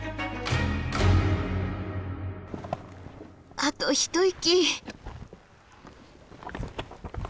あと一息。